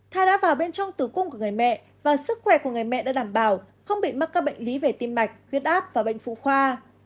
tha đã vào bên trong tử cung của người mẹ và sức khỏe của người mẹ đã đảm bảo không bị mắc các bệnh lý về tim mạch huyết áp và bệnh phụ khoa